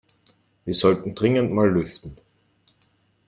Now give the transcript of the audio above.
Wir sollten dringend mal lüften.